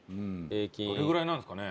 どれぐらいなんですかね。